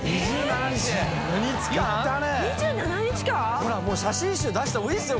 ほらもう写真集出した方がいいですよ